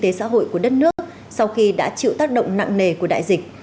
đây là những vấn đề xã hội của đất nước sau khi đã chịu tác động nặng nề của đại dịch